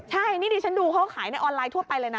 ใช่นี่ดิฉันดูเขาขายในออนไลน์ทั่วไปเลยนะ